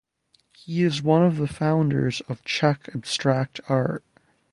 He is one of the founders of Czech abstract art.